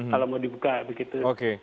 kalau mau dibuka begitu